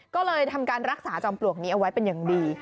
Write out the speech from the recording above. ก็เลยทำการรักษาจอมปลวกนี้เอาไว้เป็นอย่างดี